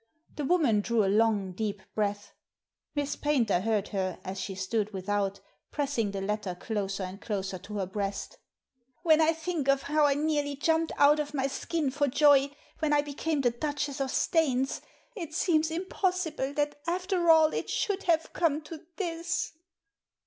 The woman drew a long deep breath. Miss Paynter heard her, as she stood without, press ing the letter closer and closer to her breast " When I think of how I nearly jumped out of my skin for joy when I became the Duchess of Staines, it seems impossible that after all it should have come to this.'